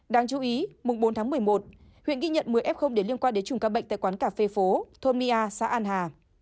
đáng chú ý mùng bốn tháng một mươi một huyện ghi nhận một mươi f để liên quan đến chủng ca bệnh tại quán cà phê phố thô mi a xã an hà